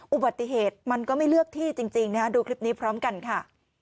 อุบัติเหตุมันก็ไม่เลือกที่จริงนะฮะดูคลิปนี้พร้อมกันค่ะ